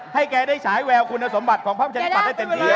ให้แกได้ฉายแววคุณสมบัติของพรรคชนิดปรัฐได้เต็มที